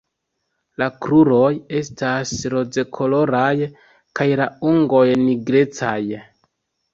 La kruroj estas rozkoloraj kaj la ungoj nigrecaj.